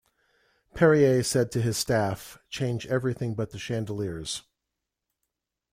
Perrier said to his staff, Change everything but the chandeliers.